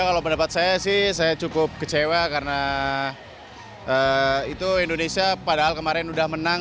kalau pendapat saya sih saya cukup kecewa karena itu indonesia padahal kemarin udah menang